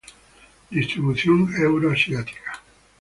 Distribución Euroasiática.